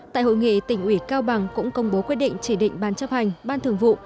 tại hội nghị tỉnh ủy cao bằng cũng công bố quyết định chỉ định ban chấp hành ban thường vụ